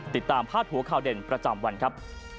ติดตามภาษาหัวข่าวเด่นประจำวันครับ